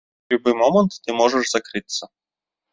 У любы момант ты можаш закрыцца.